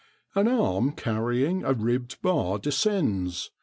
An arm carrying a ribbed bar descends.